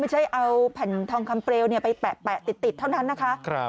ไม่ใช่เอาแผ่นทองคำเปลวไปแปะติดเท่านั้นนะคะ